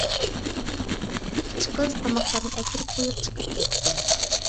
كۈتكۈچى قىز تاماقلارنى ئەكىرىپ قويۇپ چىقىپ كەتتى.